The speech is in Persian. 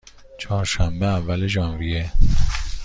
چهارشنبه، اول ژانویه